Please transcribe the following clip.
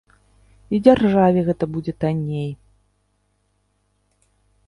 І дзяржаве гэта будзе танней.